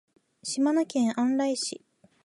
島根県安来市